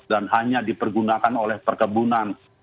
dan hanya dipergunakan oleh perkebunan